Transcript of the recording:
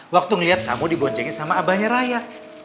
waktu ngelihat kamu diboncengin sama abahnya raya